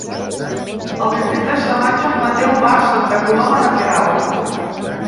El vint-i-tres de maig en Mateu va a Santa Coloma de Queralt.